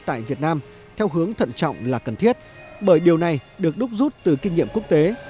tại việt nam theo hướng thận trọng là cần thiết bởi điều này được đúc rút từ kinh nghiệm quốc tế